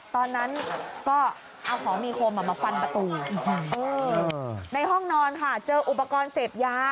ตอนนั้นก็เอาของมีคมมาฟันประตูในห้องนอนค่ะเจออุปกรณ์เสพยา